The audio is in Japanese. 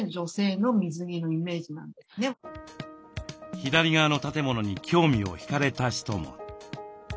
左側の建物に興味を引かれた人も。